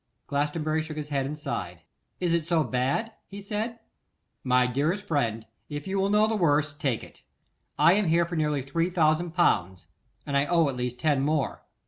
Glastonbury shook his head and sighed. 'Is it so bad?' he said. 'My dearest friend, if you will know the worst, take it. I am here for nearly three thousand pounds, and I owe at least ten more.